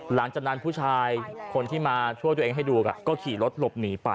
หลังจากนั้นผู้ชายคนที่มาช่วยตัวเองให้ดูก็ขี่รถหลบหนีไป